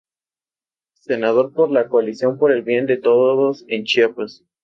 Senador por la Coalición Por el Bien de Todos en Chiapas.